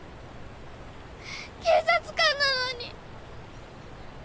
警察官なのに。